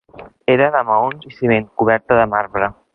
Era de maons i ciment coberta de marbre.